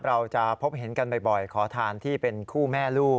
เราจะพบเห็นกันบ่อยขอทานที่เป็นคู่แม่ลูก